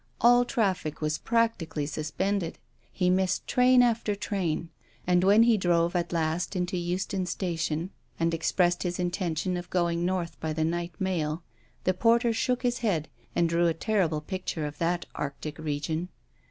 All traffic was practically sus pended. Me missed train after train, and when he drove at last into Euston Station and expressed his intention of going north by the night mail the porter shook his head and drew a terrible picture of that arctic region.